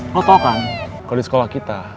lo tau kan kalo di sekolah kita